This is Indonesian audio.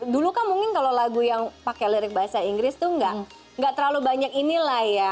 dulu kan mungkin kalau lagu yang pakai lirik bahasa inggris tuh gak terlalu banyak inilah ya